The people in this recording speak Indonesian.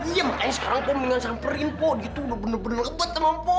iya makanya sekarang kok mendingan samperin po gitu udah bener bener ngebet sama po